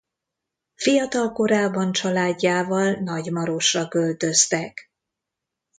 Fiatalkorában családjával Nagymarosra költöztek.